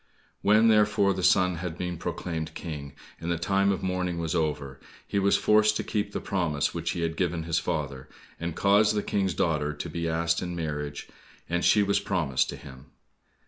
When therefore the son had been proclaimed King, and the time of mourning was over, he was forced to keep the promise which he had given his father, and caused the King's daughter to be asked in marriage, and she was promised to him.